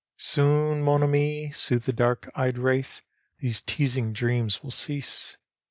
" Soon, mon ami," soothed the dark eyed wraith, " these teasing dreams will cease!